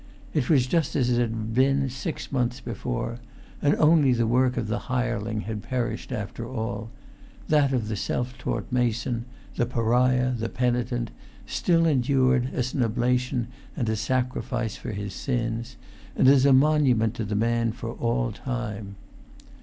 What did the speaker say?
It was just as it had been six months before; and only the work of the hireling had perished after all; that of the self taught mason, the pariah, the penitent, still endured as an oblation and a sacrifice for his sins, and as a monument to the man for all time.